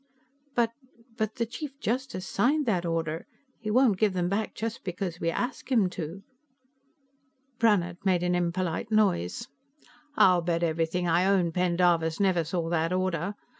But the Chief Justice signed that order. He won't give them back just because we ask him to." Brannhard made an impolite noise. "I'll bet everything I own Pendarvis never saw that order.